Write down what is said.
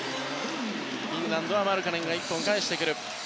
フィンランドはマルカネンが１本返した。